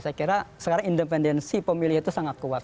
saya kira sekarang independensi pemilih itu sangat kuat